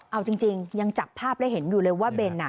เอาจริงยังจับภาพและเห็นอยู่เลยว่าเบน